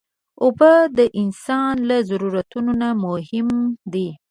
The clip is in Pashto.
اوبه د انسان له ضرورتونو نه مهم دي.